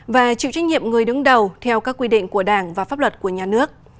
và chịu trách nhiệm người đứng đầu theo các quy định của đảng và pháp luật của nhà nước